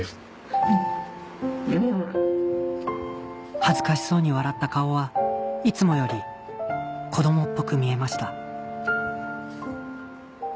恥ずかしそうに笑った顔はいつもより子供っぽく見えました